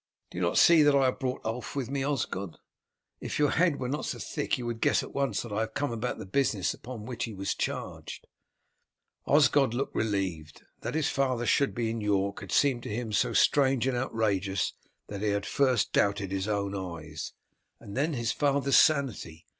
"Do you not see that I have brought Ulf with me, Osgod? If your head were not so thick you would guess at once that I have come about the business with which he was charged." Osgod looked relieved. That his father should be in York had seemed to him so strange and outrageous that he had first doubted his own eyes, and then his father's sanity.